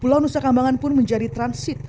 pulau nusa kambangan pun menjadi transit